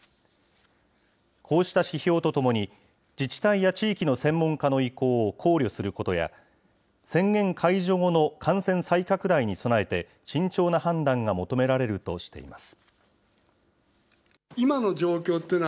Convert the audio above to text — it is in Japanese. こうした指標とともに、自治体や地域の専門家の意向を考慮することや、宣言解除後の感染再拡大に備えて、慎重な判断が求められるとしています。